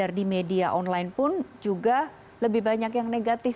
beda di media online pun juga lebih banyak yang negatif